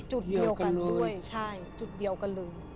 จุดเดียวกันด้วยใช่จุดเดียวกันเลย